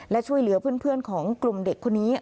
และช่วยเหลือเพื่อนของกลุ่มเด็กคนนี้